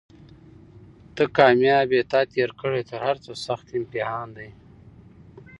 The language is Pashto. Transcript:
ته کامیاب یې تا تېر کړی تر هرڅه سخت امتحان دی